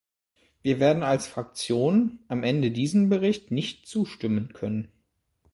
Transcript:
Wir werden als Fraktion am Ende diesem Bericht nicht zustimmen können.